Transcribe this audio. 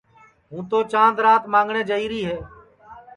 ہوں تو چاند رات مانٚگٹؔے جائیری ہے